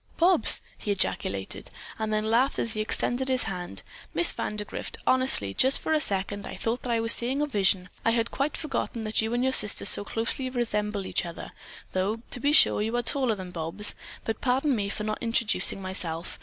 "Bobs!" he ejaculated. Then he laughed as he extended his hand. "Miss Vandergrift, honestly, just for a second I thought that I was seeing a vision. I had quite forgotten that you and your sister so closely resemble each other, though, to be sure, you are taller than Bobs; but pardon me for not introducing myself.